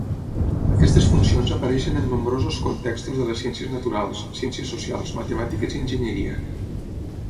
Aquestes funcions apareixen en nombrosos contextos de les ciències naturals, ciències socials, matemàtiques i enginyeria.